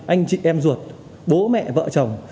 anh chị em ruột bố mẹ vợ chồng